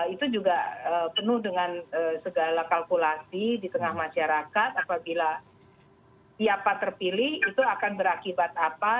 itu juga penuh dengan segala kalkulasi di tengah masyarakat apabila siapa terpilih itu akan berakibat apa